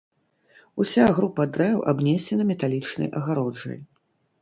Уся група дрэў абнесена металічнай агароджай.